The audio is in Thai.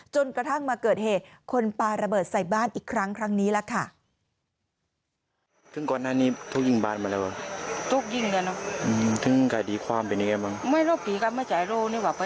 จนกระทั่งมาเกิดเหตุคนปลาระเบิดใส่บ้านอีกครั้งครั้งนี้ล่ะค่ะ